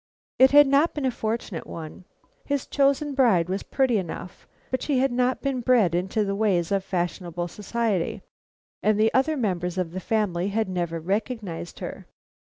It had not been a fortunate one. His chosen bride was pretty enough, but she had not been bred in the ways of fashionable society, and the other members of the family had never recognized her.